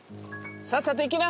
さっさと行きな。